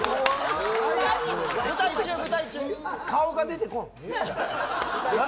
顔が出てこん。